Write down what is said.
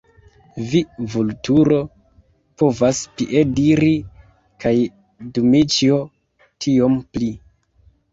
Vi, Vulturo, povas piediri kaj Dmiĉjo tiom pli!